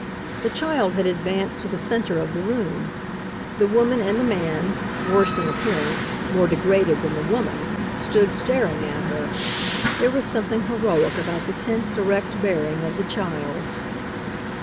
The child had advanced to the center of the room. The woman and a man, worse in appearance, more degraded than the woman, stood staring at her. There was something heroic about the tense, erect bearing of the child.